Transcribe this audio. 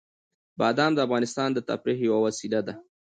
بادام د افغانانو د تفریح یوه وسیله ده.